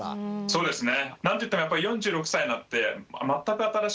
そうですね。